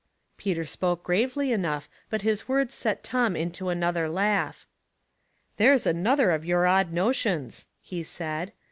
Peter spoke gravely enough, but bis words set Tom into another laugh. " There's another of your odd notions," he said.